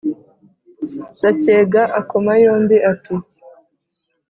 Sacyega akoma yombi, ati